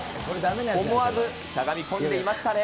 思わずしゃがみ込んでいましたね。